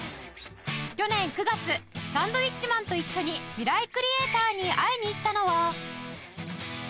去年９月サンドウィッチマンと一緒にミライクリエイターに会いに行ったのは